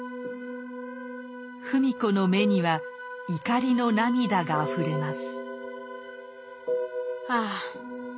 芙美子の目には怒りの涙があふれます。